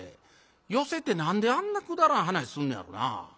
寄席て何であんなくだらん噺すんのやろな。